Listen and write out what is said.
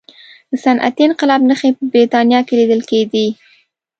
د صنعتي انقلاب نښې په برتانیا کې لیدل کېدې.